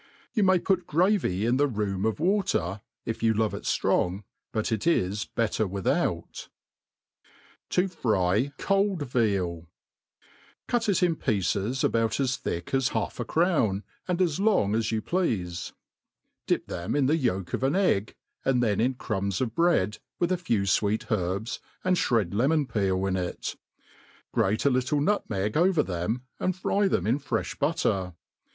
You may put gravy in the room of water, if»you love it flrong^ but it is better without To fry cold VeaL CUT it in pieces about as thick as half a crown, and as long* as you pleafe, dip them in the yolk of an egg, and then in crumbs of bread, with a few (weet herbs, and flired lemon peel in it; grate a little nutmeg over them, and fry them in frcfli butter.